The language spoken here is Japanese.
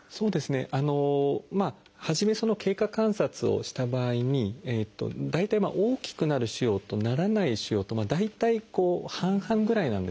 あの初め経過観察をした場合に大体大きくなる腫瘍とならない腫瘍と大体半々ぐらいなんですね。